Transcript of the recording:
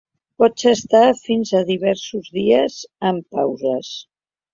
Pot estar-s'hi fins a diversos dies amb pauses.